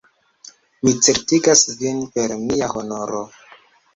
Mi certigas vin per mia honoro!